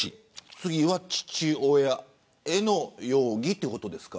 次は父親への容疑ということですか。